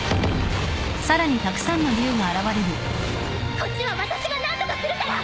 こっちは私が何とかするから！